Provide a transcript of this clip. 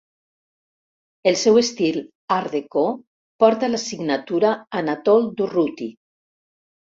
El seu estil art deco porta la signatura Anatole Durruty.